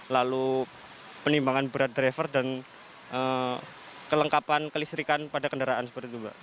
lalu penimbangan berat driver dan kelengkapan kelistrikan pada kendaraan seperti itu mbak